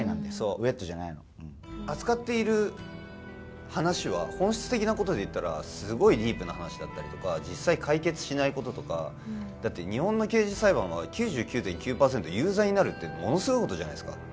ウエットじゃないの扱っている話は本質的なことで言ったらすごいディープな話だったりとか実際解決しないこととかだって日本の刑事裁判は９９．９％有罪になるってものすごいことじゃないですか